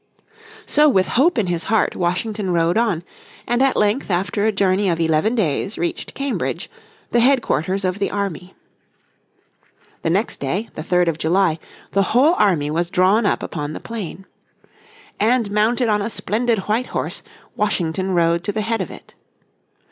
So with hope in his heart Washington rode on, and at length after a journey of eleven days reached Cambridge, the headquarters of the army. The next day, the 3rd of July, the whole army was drawn up upon the plain. And mounted on a splendid white horse Washington rode to the head of it.